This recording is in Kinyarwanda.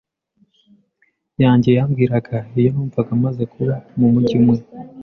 yanjye yambwiraga. Iyo numvaga mpaze kuba mu mujyi umwe,